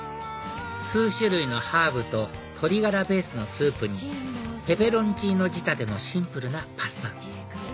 数種類のハーブと鶏がらベースのスープにペペロンチーノ仕立てのシンプルなパスタ